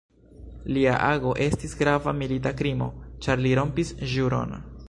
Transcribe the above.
Lia ago estis grava milita krimo, ĉar li rompis ĵuron.